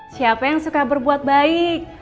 siapa yang suka berbuat baik